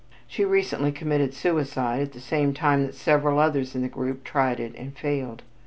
She recently committed suicide at the same time that several others in the group tried it and failed.